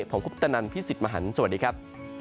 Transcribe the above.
ผมคุปตนันพี่สิทธิ์มหันฯสวัสดีครับ